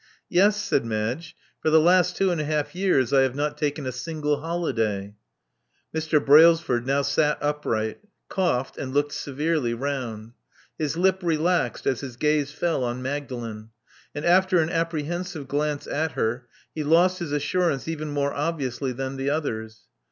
"Yes,"Baid Madge. "For the last two and a half years, I have not taken a single holiday." Mr. Brailsford now sat upright; coughed; and looked severely round. His lip relaxed as his gaze fell on Magdalen; and after an apprehensive glance at her, he lost his assurance even more obviously than the others.